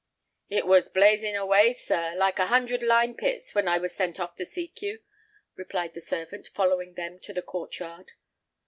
"It was blazing away, sir, like a hundred lime pits, when I was sent off to seek you," replied the servant, following them to the court yard.